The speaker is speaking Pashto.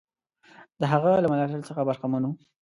د هغه له ملاتړ څخه برخمن وو.